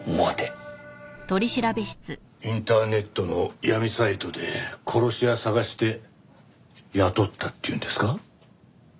インターネットの闇サイトで殺し屋探して雇ったっていうんですか？